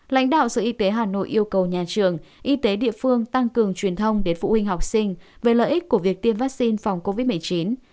lãnh đạo sở y tế hà nội yêu cầu nhà trường y tế địa phương tăng cường truyền thông đến phụ huynh học sinh về lợi ích của việc tiêm vaccine phòng covid một mươi chín